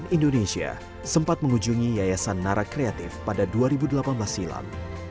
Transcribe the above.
cnn indonesia sempat mengunjungi yayasan nara kreatif pada dua ribu delapan belas silam